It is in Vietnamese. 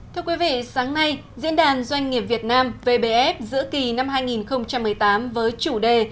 thưa quý vị sáng nay diễn đàn doanh nghiệp việt nam vbf giữa kỳ năm hai nghìn một mươi tám với chủ đề